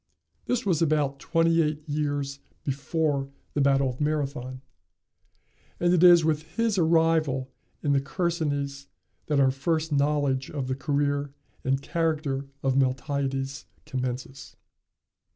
This was about twenty eight years before the battle of Marathon, and it is with his arrival in the Chersonese that our first knowledge of the career and character of Miltiades commences.